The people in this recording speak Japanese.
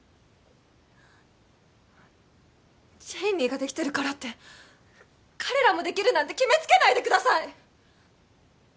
ＣＨＡＹＮＥＹができてるからって彼らもできるなんて決めつけないでください